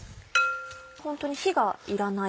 ホントに火がいらない。